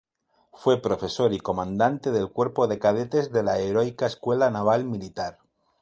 Fue profesor y comandante del cuerpo de cadetes de la heroica escuela naval militar.